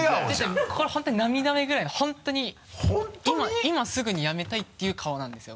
これ本当に涙目ぐらいの本当に今すぐにやめたいていう顔なんですよ